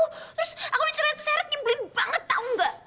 terus aku bicara bicara seret nyebelin banget tau nggak